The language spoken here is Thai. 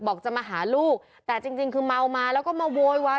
จะมาหาลูกแต่จริงคือเมามาแล้วก็มาโวยวาย